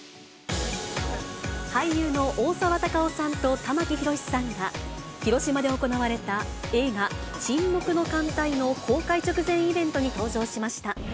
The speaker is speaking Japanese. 俳優の大沢たかおさんと玉木宏さんが、広島で行われた映画、沈黙の艦隊の公開直前イベントに登場しました。